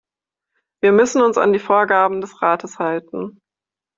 Wir müssen uns an die Vorgaben des Rates halten.